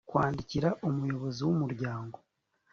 kwandikira umuyobozi w umuryango